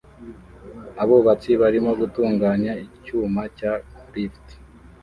abubatsi barimo gutunganya icyuma cya lift